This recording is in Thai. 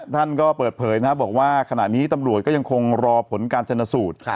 ท่านก็เปิดเผยนะครับบอกว่าขณะนี้ตำรวจก็ยังคงรอผลการชนสูตร